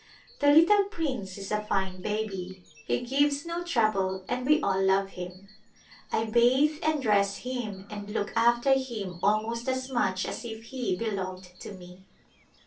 The little prince is a fine baby ; he gives no trouble. A Glimpse of India and we all love him. I bathe and dress him and look after him almost as much as if he belonged to me.